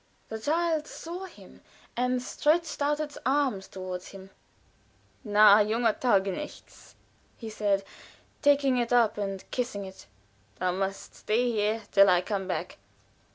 The child saw him, and stretched out its arms toward him. "Na! junger Taugenichts!" he said, taking it up and kissing it. "Thou must stay here till I come back.